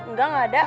nggak gak ada